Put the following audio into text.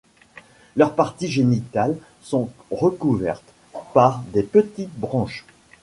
Leurs parties génitales sont recouvertes par des petites branches.